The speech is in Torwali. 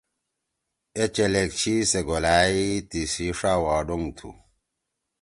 اے چیلیگ چھی سے گُھولَئی تیِسی ݜا وا ڈونگ تُھو۔